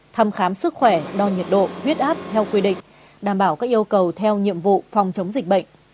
thăm khám sức khỏe đo nhiệt độ huyết áp theo quy định đảm bảo các yêu cầu theo nhiệm vụ phòng chống dịch bệnh